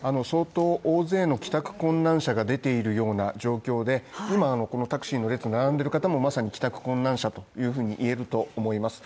大勢の帰宅困難者が出ているような状況で、今のこのタクシーの列に並んでる方もまさに帰宅困難者というふうに言えると思います。